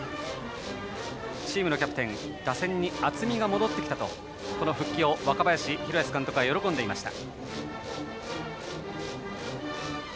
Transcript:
チームのキャプテン打線に厚みが戻ってきたと福原の復帰を若林監督は喜んでいました。